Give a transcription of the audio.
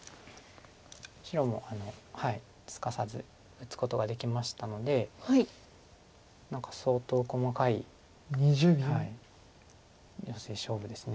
白もすかさず打つことができましたので何か相当細かいヨセ勝負です。